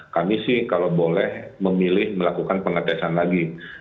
kami sih kalau boleh memilih melakukan pengetesan lagi